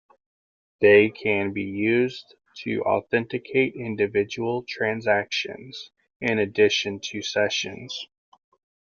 They can be used to authenticate individual transactions in addition to sessions.